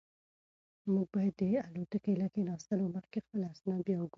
موږ باید د الوتکې له کښېناستو مخکې خپل اسناد بیا وګورو.